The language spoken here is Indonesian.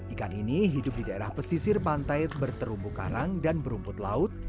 ikan ini hidup di daerah pesisir pantai berterumbu karang dan berumput laut